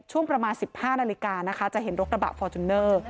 ช่วงประมาณ๑๕นาฬิกานะคะจะเห็นรถกระบะฟอร์จูเนอร์